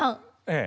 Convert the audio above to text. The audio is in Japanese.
ええ。